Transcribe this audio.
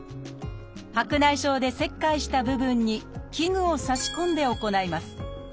白内障で切開した部分に器具をさし込んで行います。